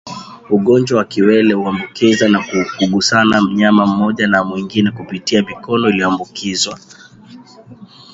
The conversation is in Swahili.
Ugonjwa wa kiwele huambukizwa kwa kugusana mnyama mmoja na mwingine kupitia mikono iliyoambukizwa